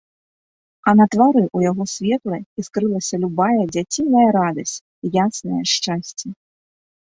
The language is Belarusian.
А на твары ў яго светла іскрылася любая дзяціная радасць, яснае шчасце.